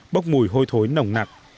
bốc mùi hôi thối nồng nặng